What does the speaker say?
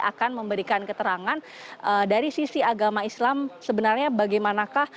akan memberikan keterangan dari sisi agama islam sebenarnya bagaimanakah